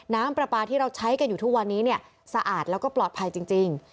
น้ำปลาปลาที่เราใช้กันอยู่ทุกวันนี้เนี่ยสะอาดแล้วก็ปลอดภัยจริง